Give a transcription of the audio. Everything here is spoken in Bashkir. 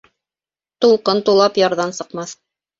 Тулҡын тулап, ярҙан сыҡмаҫ.